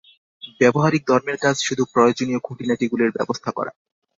ব্যাবহারিক ধর্মের কাজ শুধু প্রয়োজনীয় খুঁটিনাটিগুলির ব্যবস্থা করা।